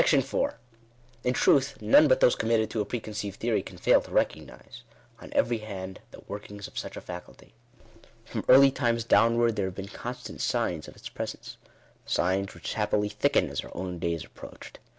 In truth, none but those committed to a preconceived theory, can fail to recognise, on every hand, the workings of such a faculty. From early times downward there have been con stant signs of its presence — signs which happily thicken as our own day is approached.